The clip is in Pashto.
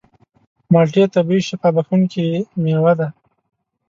مالټې طبیعي شفا بښونکې مېوه ده.